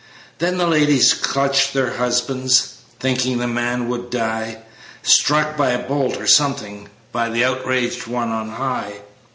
Then the ladies clutched their husbands, Thinking the man would die, Struck by a bolt, or something, By the outraged One on high.